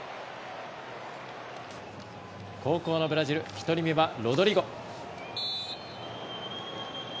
後攻のブラジル１人目はロドリゴ。